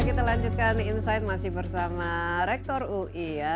kita lanjutkan insight masih bersama rektor ui ya